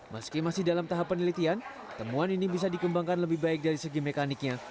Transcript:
meski masih dalam tahap penelitian temuan ini bisa dikembangkan lebih baik dari segi mekaniknya